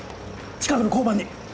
近くの交番に！